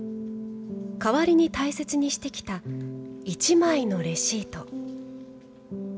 代わりに大切にしてきた１枚のレシート。